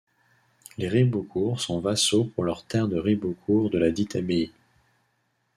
Les Ribeaucourt sont vassaux pour leur terre de Ribeaucourt de la dite abbaye.